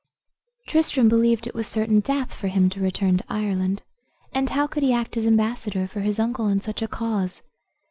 Tristram believed it was certain death for him to return to Ireland; and how could he act as ambassador for his uncle in such a cause?